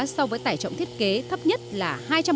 so với tải trọng thiết kế thấp nhất là hai trăm một mươi hai